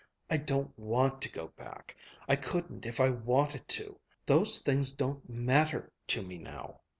I don't want to go back. I couldn't if I wanted to. Those things don't matter to me now.